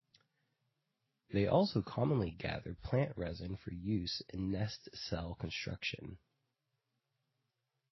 They also commonly gather plant resins for use in nest cell construction.